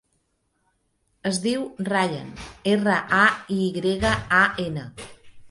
Es diu Rayan: erra, a, i grega, a, ena.